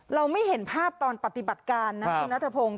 เราไม่เห็นภาพตอนปฏิบัติการนะคุณนัทพงศ์